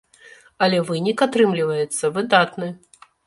Але вынік атрымліваецца выдатны.